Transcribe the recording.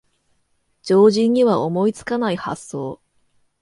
常人には思いつかない発想